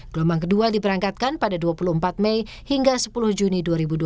gelombang kedua diberangkatkan pada dua puluh empat mei hingga sepuluh juni dua ribu dua puluh